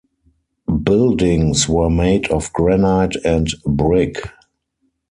Buildings were made of granite and brick.